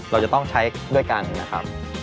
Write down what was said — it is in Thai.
เราจะต้องใช้ด้วยกันนะครับ